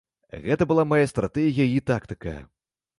Гэта была мая стратэгія і тактыка.